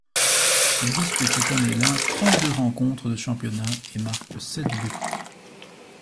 Il dispute cette année-là trente-deux rencontres de championnat et marque sept buts.